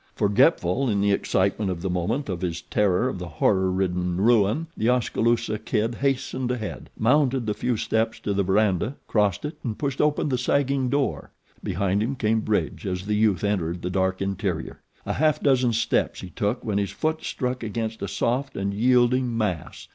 Forgetful, in the excitement of the moment, of his terror of the horror ridden ruin, The Oskaloosa Kid hastened ahead, mounted the few steps to the verandah, crossed it and pushed open the sagging door. Behind him came Bridge as the youth entered the dark interior. A half dozen steps he took when his foot struck against a soft and yielding mass.